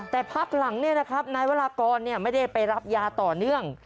แต่พักหลังนายวรากรไม่ได้ไปรับยาต่อเนื่อง